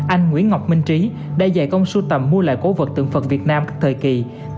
anh nguyễn ngọc minh trí đã dày công sưu tầm mua lại cổ vật tượng phật việt nam các thời kỳ